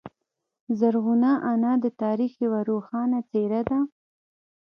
زرغونه انا د تاریخ یوه روښانه څیره ده.